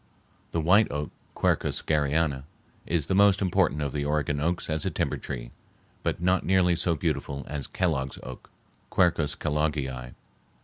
The white oak (Quercus Garryana) is the most important of the Oregon oaks as a timber tree, but not nearly so beautiful as Kellogg's oak (Q. Kelloggii).